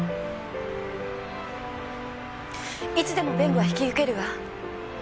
いつでも弁護は引き受けるわ。